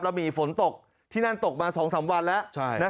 ฝนตกที่นั่นตกมา๒๓วันแล้ว